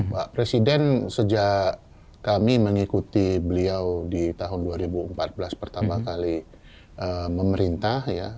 pak presiden sejak kami mengikuti beliau di tahun dua ribu empat belas pertama kali memerintah